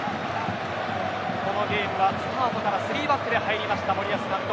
このゲームはスタートから３バックで入りました森保監督。